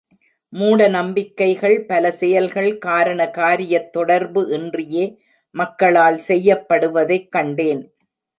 மூட நம்பிக்கைகள் பல செயல்கள் காரண காரியத் தொடர்பு இன்றியே மக்களால் செய்யப்படுவதைக் கண்டேன்.